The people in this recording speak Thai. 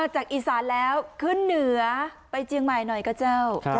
จากอีสานแล้วขึ้นเหนือไปเจียงใหม่หน่อยก็เจ้า